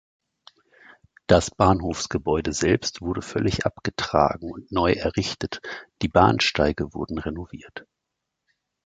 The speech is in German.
Das Bahnhofsgebäude selbst wurde völlig abgetragen und neu errichtet, die Bahnsteige wurden renoviert.